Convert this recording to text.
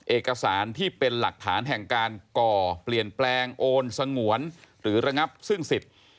เอกสารที่เป็นหลักฐานแห่งการก่อเปลี่ยนแปลงโอนสงวนหรือระงับซึ่งสิทธิ์